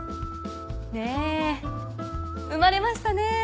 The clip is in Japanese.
ねぇ生まれましたね。